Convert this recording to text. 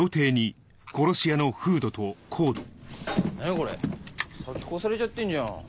これ先越されちゃってんじゃん。